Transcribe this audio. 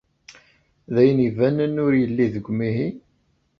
D ayen ibanen ur yelli deg umihi.